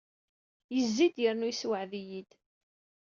Yezzi-d yernu yessewɛed-iyi-d.